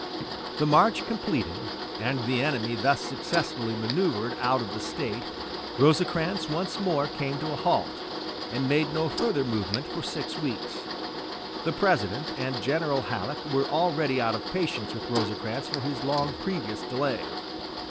The march completed, and the enemy thus successfully manoeuvered out of the State, Rosecrans once more came to a halt, and made no further movement for six weeks. The President and General Halleck were already out of patience with Rosecrans for his long previous delay.